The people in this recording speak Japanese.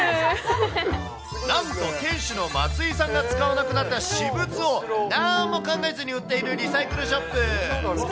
なんと店主の松井さんが使わなくなった私物を、なんも考えずに売っているリサイクルショップ。